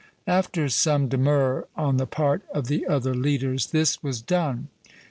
" After some demur on the part of the other leaders, this was done.